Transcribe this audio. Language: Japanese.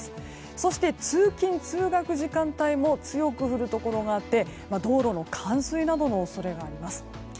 そして通勤・通学時間帯も強く降るところがあって道路の冠水などの恐れがあります。